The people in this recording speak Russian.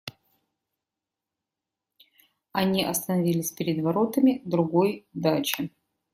Они остановились перед воротами другой дачи.